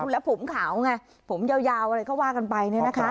แล้วผมขาวไงผมยาวอะไรก็ว่ากันไปเนี่ยนะคะ